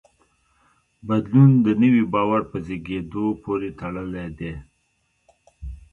بدلون د نوي باور په زېږېدو پورې تړلی دی.